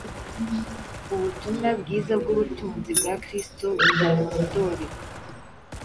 ubutumwa bwiza bw’ubutunzi bwa Kristo butarondoreka.”